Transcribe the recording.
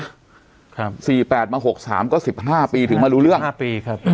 ครับสี่แปดมาหกสามก็สิบห้าปีถึงมารู้เรื่องห้าปีครับ